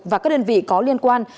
và các đơn vị có liên quan